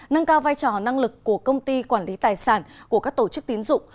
nâng cao vai trò năng lực của công ty quản lý tài sản của các tổ chức tín dụng